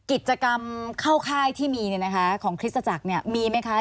กิจกรรมเข้าค่ายที่มีเนี่ยนะคะของคริสตจักรเนี่ยมีไหมคะ